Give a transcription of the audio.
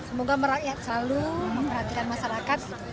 semoga merakyat selalu memperhatikan masyarakat